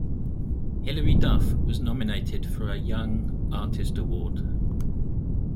Hilary Duff was nominated for an Young Artist Award.